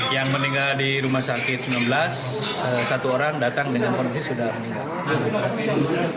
yang meninggal di rumah sakit sembilan belas satu orang datang dengan kondisi sudah meninggal